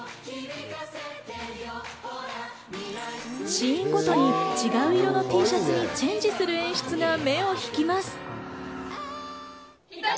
シーンごとに違う色のＴシャツにチェンジする演出が目を引きます。